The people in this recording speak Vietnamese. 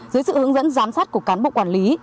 dưới sự hướng dẫn giám sát của cán bộ quản lý